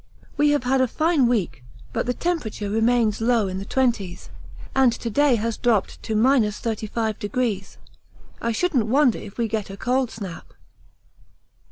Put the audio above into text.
We have had a fine week, but the temperature remains low in the twenties, and to day has dropped to 35°. I shouldn't wonder if we get a cold snap.